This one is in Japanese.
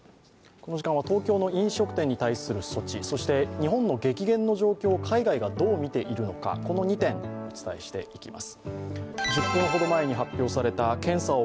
この時間は東京の飲食店に対する措置、そして日本の激減の状況を海外がどう見ているのかこの２点をお伝えしていきます。